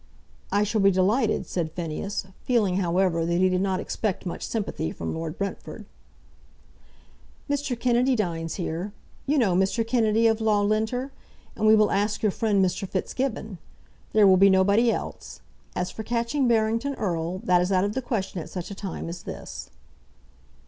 "I shall be delighted," said Phineas, feeling, however, that he did not expect much sympathy from Lord Brentford. "Mr. Kennedy dines here; you know Mr. Kennedy, of Loughlinter; and we will ask your friend Mr. Fitzgibbon. There will be nobody else. As for catching Barrington Erle, that is out of the question at such a time as this."